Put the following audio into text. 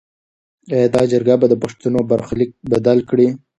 ایا دا جرګه به د پښتنو برخلیک بدل کړي؟